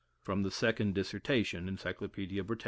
* Second Dissertation: Encyclopaedia Brit.